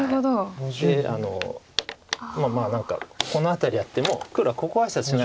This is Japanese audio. でまあ何かこの辺りやっても黒はここ挨拶しないのが大事です。